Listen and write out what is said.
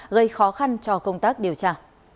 gây khó khăn cho công tác điều tra